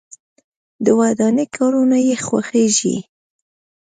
د ودانۍ کارونه یې خوښیږي.